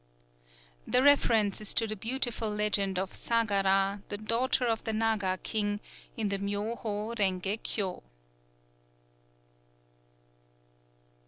_" The reference is to the beautiful legend of Sâgara, the daughter of the Nâga king, in the Myō hō rengé kyō.